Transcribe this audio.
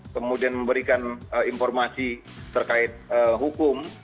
kemudian memberikan informasi terkait hukum